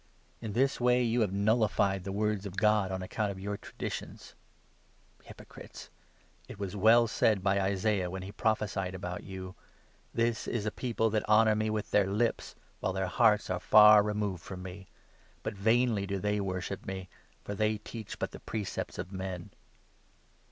In this way you have nullified the words of God on account of your traditions. Hypocrites ! It was well said by Isaiah when he prophesied about you —' This is a people that honour me with their lips, While their hearts are far removed from me ; But vainly do they worship me, For they teach but the precepts of men.'"